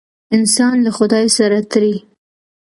انسان له خدای سره تړي.